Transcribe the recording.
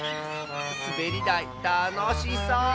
すべりだいたのしそう！